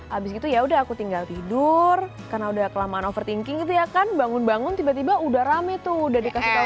habis itu yaudah aku tinggal tidur karena udah kelamaan overthinking gitu ya kan bangun bangun tiba tiba udah rame tuh udah dikasih tau